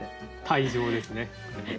退場ですね。